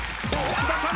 菅田さん！